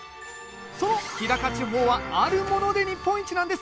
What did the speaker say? その日高地方はあるもので日本一なんです。